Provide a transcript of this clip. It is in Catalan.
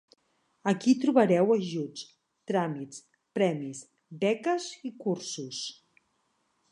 Aquí trobareu ajuts, tràmits, premis, beques i cursos.